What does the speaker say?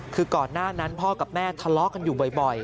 คือก่อนหน้านั้นพ่อกับแม่ทะเลาะกันอยู่บ่อย